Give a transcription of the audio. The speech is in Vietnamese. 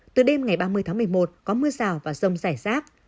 từ đêm ngày ba mươi tháng một mươi một có mưa rào và rông rải rác